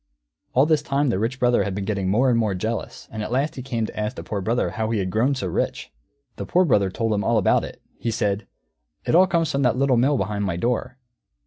All this time the Rich Brother had been getting more and more jealous, and at last he came to ask the Poor Brother how he had grown so rich. The Poor Brother told him all about it. He said, "It all comes from that Little Mill behind my door.